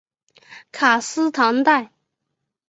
卡斯唐代。